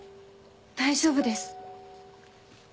大丈夫です。